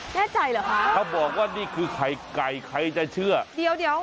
แน่ใจเหรอคะถ้าบอกว่านี่คือไข่ไก่ใครจะเชื่อเดี๋ยวเดี๋ยว